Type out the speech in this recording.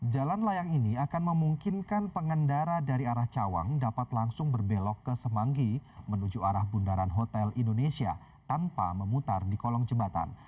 jalan layang ini akan memungkinkan pengendara dari arah cawang dapat langsung berbelok ke semanggi menuju arah bundaran hotel indonesia tanpa memutar di kolong jembatan